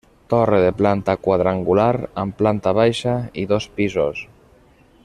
Torre de planta quadrangular amb planta baixa i dos pisos.